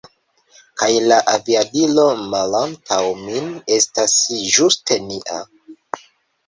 Kaj la aviadilo malantaŭ min estas ĝuste nia